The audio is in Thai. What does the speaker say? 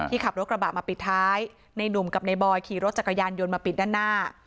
ขับรถกระบะมาปิดท้ายในหนุ่มกับในบอยขี่รถจักรยานยนต์มาปิดด้านหน้า